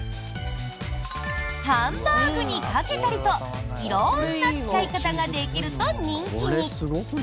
ハンバーグにかけたりと色んな使い方ができると人気に。